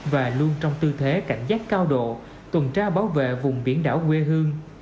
và luôn trong tư thế cảnh giác cao độ tuần tra bảo vệ vùng biển đảo quê hương